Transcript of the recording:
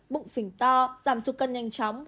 bụng phình to giảm suốt cân nhanh chóng